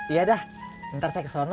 iya dah ntar saya kesana